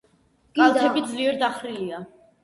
კალთები ძლიერ დახრილია.